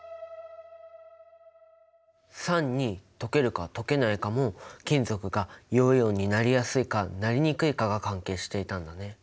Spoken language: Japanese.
酸に溶けるか溶けないかも金属が陽イオンになりやすいかなりにくいかが関係していたんだね。